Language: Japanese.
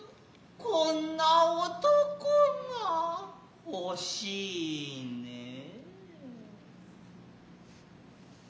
こんな男が欲いねえ。